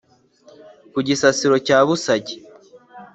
ku gisasiro cya busage,